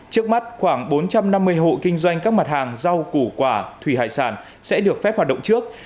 trước mắt khoảng bốn trăm năm mươi hộ kinh doanh các mặt hàng rau củ quả thủy hải sản sẽ được phép hoạt động trước